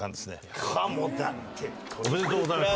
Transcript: おめでとうございます。